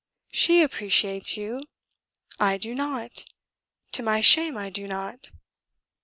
She appreciates you: I do not to my shame, I do not.